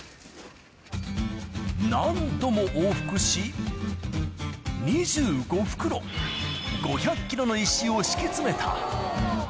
何度も往復し、２５袋、５００キロの石を敷き詰めた。